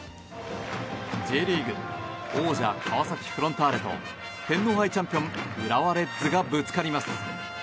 Ｊリーグ王者川崎フロンターレと天皇杯チャンピオン浦和レッズがぶつかります。